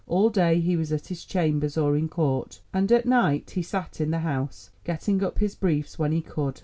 All day he was at his chambers or in court, and at night he sat in the House, getting up his briefs when he could.